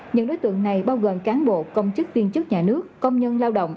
những đối tượng này bao gồm cán bộ công chức viên chức nhà nước công nhân lao động